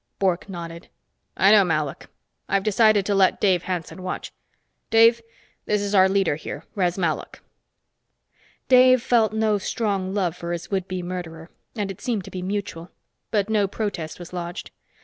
Bork nodded. "I know, Malok. I've decided to let Dave Hanson watch. Dave, this is our leader here, Res Malok." Dave felt no strong love for his would be murderer, and it seemed to be mutual. But no protest was lodged.